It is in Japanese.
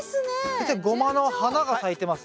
先生ゴマの花が咲いてます。